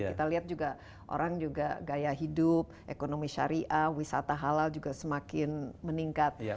kita lihat juga orang juga gaya hidup ekonomi syariah wisata halal juga semakin meningkat